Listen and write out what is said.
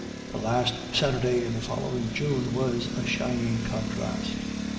The last Saturday in the following June was a shining contrast.